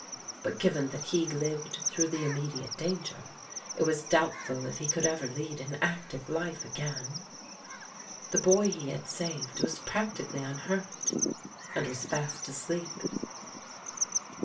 But given that he lived through the immediate danger, it was doubtful if he could ever lead an active life again. The boy he had saved was practically unhurt, and was fast asleep.